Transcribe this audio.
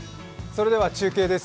それでは中継です。